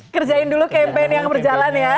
kerjain dulu campaign yang berjalan ya